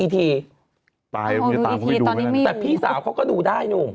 แต่พี่สาวเขาก็ดูได้นุ